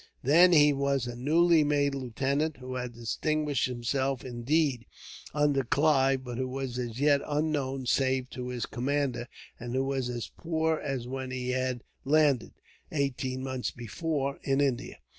Then he was a newly made lieutenant, who had distinguished himself, indeed, under Clive, but who was as yet unknown save to his commander, and who was as poor as when he had landed, eighteen months before, in India.